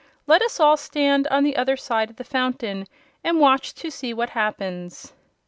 Let us all stand on the other side of the Fountain and watch to see what happens."